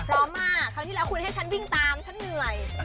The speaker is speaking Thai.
พร้อมมากครั้งที่แล้วคุณให้ฉันวิ่งตามฉันเหนื่อย